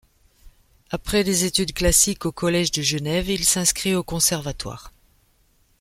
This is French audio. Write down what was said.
Après des études classiques au collège de Genève, il s'inscrit au Conservatoire.